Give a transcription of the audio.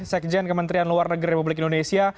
sekjen kementerian luar negeri republik indonesia